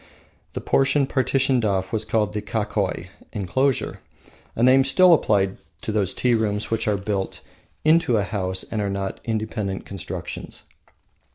The portion partitioned off was called the Kakoi (enclosure), a name still applied to those tea rooms which are built into a house and are not independent constructions.